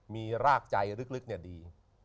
มีรากใจลึกเนี่ยดี